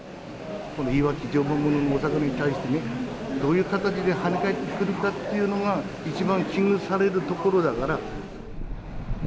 いわき常磐ものの魚に対してね、どういう形で跳ね返ってくるかっていうのが、一番危惧されるところだから。